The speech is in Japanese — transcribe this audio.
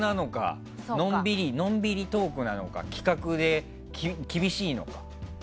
のんびりトークなのか企画で厳しいのか。